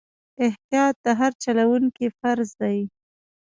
احتیاط د هر چلوونکي فرض دی.